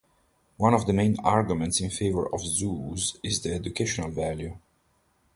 One of the main arguments in favor of zoos is their educational value.